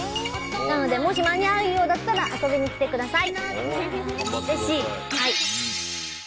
なのでもし間に合うようだったら遊びに来てください！